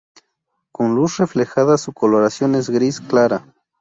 Con luz reflejada su coloración es gris clara.